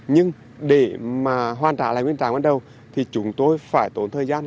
nhưng để hoàn trả lời nguyên trang ban đầu thì chúng tôi phải tốn thời gian